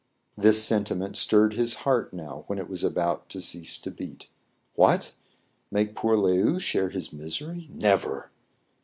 This sentiment stirred his heart now when it was about to cease to beat. What ! make poor Le ou share his misery ! Never